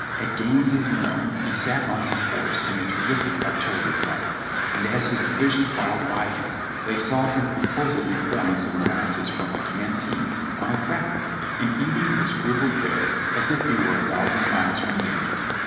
At Gaines' Mill he sat on his horse in a terrific artillery fire, and as his division filed by him, they saw him composedly pouring some molasses from a canteen on a cracker and eating his frugal fare as if he were a thousand miles from danger.